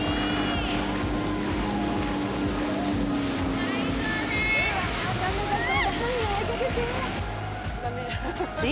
最高でーす。